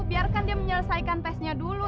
biarkan dia menyelesaikan tesnya dulu